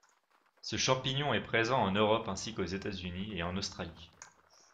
Ce champignon est présent en Europe ainsi qu'aux États-Unis et en Australie.